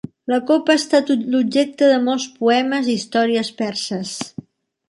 La copa ha estat l'objecte de molts poemes i històries perses.